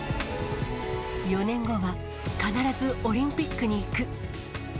４年後は必ずオリンピックに行く。